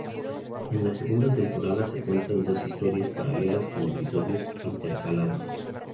En la segunda temporada se cuentan dos historias paralelas con episodios intercalados.